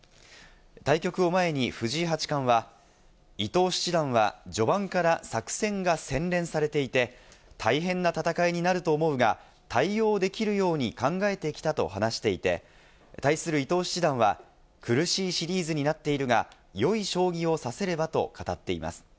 対局を前に藤井八冠は、伊藤七段は序盤から作戦が洗練されていて、大変な戦いになると思うが、対応できるように考えてきたと話していて、対する伊藤七段は、苦しいシリーズになっているが、良い将棋を指せればと語っています。